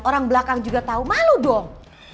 orang belakang juga tahu malu dong